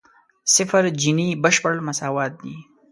صفر جیني بشپړ مساوات دی.